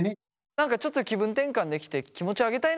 何かちょっと気分転換できて気持ちを上げたいなってなったら。